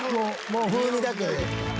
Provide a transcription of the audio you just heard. もう風味だけで。